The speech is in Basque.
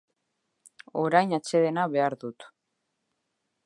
Orain atsedena behar dut.